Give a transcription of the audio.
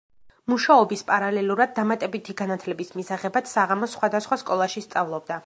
მუშაობის პარალელურად, დამატებითი განათლების მისაღებად საღამოს სხვადასხვა სკოლაში სწავლობდა.